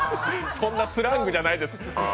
そんなスラングじゃないです。